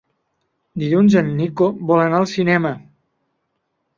Dilluns en Nico vol anar al cinema.